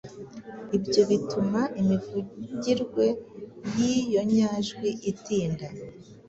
Ibyo bituma imivugirwe y’iyo nyajwi itinda